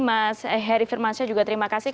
mas heri firmansyah juga terima kasih